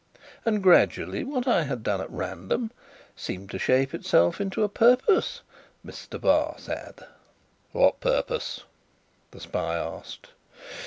And gradually, what I had done at random, seemed to shape itself into a purpose, Mr. Barsad." "What purpose?" the spy asked.